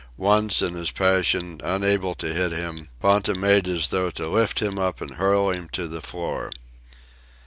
Once, in his passion, unable to hit him, Ponta made as though to lift him up and hurl him to the floor.